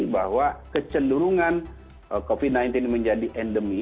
bahwa kecenderungan covid sembilan belas menjadi endemi